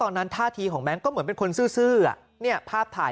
ท่าทีของแบงค์ก็เหมือนเป็นคนซื่อเนี่ยภาพถ่าย